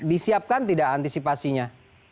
disiapkan tidak antisipasinya